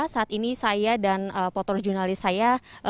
saat ini saya dan potrojurnalis saya berada tepat di dua puluh meter